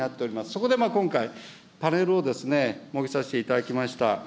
そこで今回、パネルを設けさせていただきました。